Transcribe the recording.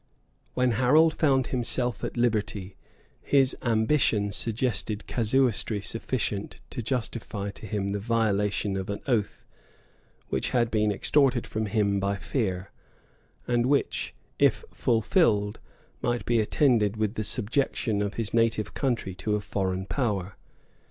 ] When Harold found himself at liberty, his ambition suggested casuistry sufficient to justify to him the violation of an oath, which had been extorted from him by fear, and which, if fulfilled, might be attended with the subjection of his native country to a foreign power.